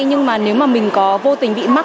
nhưng mà nếu mà mình có vô tình bị mắc